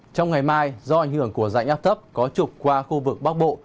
trong ngày mai do ảnh hưởng của dạnh áp thấp có trục qua khu vực bắc bộ